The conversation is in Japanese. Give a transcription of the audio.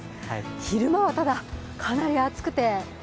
昼間はただ、かなり暑くて。